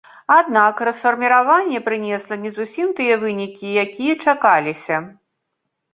Аднак расфарміраванне прынесла не зусім тыя вынікі, якія чакаліся.